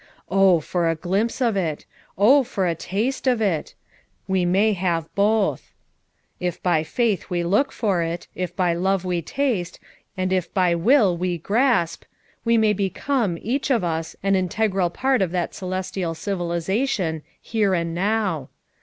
Oh, for a glimpse of it! oh, for a taste of it! We may have both. If by faith we look for it, if by love we taste, and if by will ive grasp, we may become, each one of us, an integral part of that celestial civilization here and now.